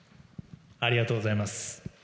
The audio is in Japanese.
ありがとうございます。